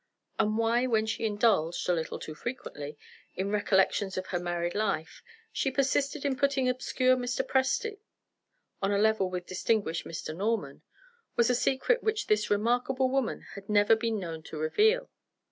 And why when she indulged (a little too frequently) in recollections of her married life, she persisted in putting obscure Mr. Presty on a level with distinguished Mr. Norman, was a secret which this remarkable woman had never been known to reveal.